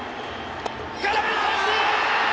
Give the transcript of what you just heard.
空振り三振！